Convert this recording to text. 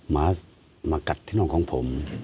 มากัดที่น่องของผม